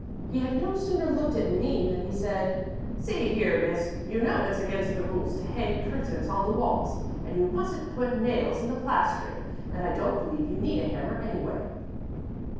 He had no sooner looked at me than he said, 'See here, miss; you know it's against the rules to hang curtains on the walls, and you mustn't put nails in the plastering, and I don't believe you need a hammer anyway.'"